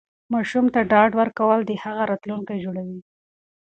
ماشوم ته ډاډ ورکول د هغه راتلونکی جوړوي.